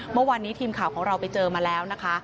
เมื่อวานนี้ทีมข่าวของเราไปเจอมาแล้วนะคะ